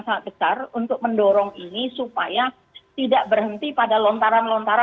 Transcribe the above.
dan para tokoh tokoh yang lain yang bersuara merespon dan selanjutnya